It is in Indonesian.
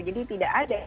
jadi tidak ada